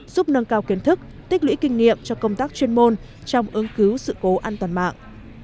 giúp nâng cao kiến thức tích lũy kinh nghiệm cho công tác chuyên môn trong ứng cứu sự cố an toàn mạng